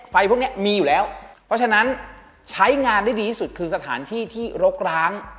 พวกนี้มีอยู่แล้วเพราะฉะนั้นใช้งานได้ดีที่สุดคือสถานที่ที่รกร้าง